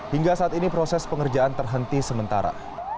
hingga saat ini proses pengerjaan terhenti sementara